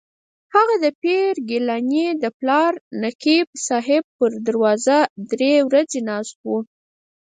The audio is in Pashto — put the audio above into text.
هغه د پیر ګیلاني د پلار نقیب صاحب پر دروازه درې ورځې ناست و.